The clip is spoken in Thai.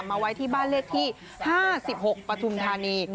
ไว้ที่บ้านเลขที่๕๖ปฐุมธานี